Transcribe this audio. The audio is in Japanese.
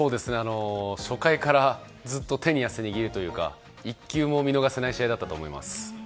初回からずっと手に汗握るというか一球も見逃せない試合だったと思います。